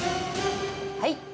はい。